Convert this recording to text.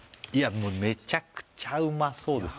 もうめちゃくちゃうまそうです